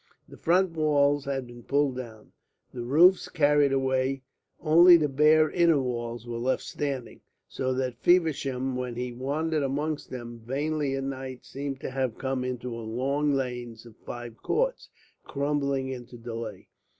The front walls had been pulled down, the roofs carried away, only the bare inner walls were left standing, so that Feversham when he wandered amongst them vainly at night seemed to have come into long lanes of five courts, crumbling into decay.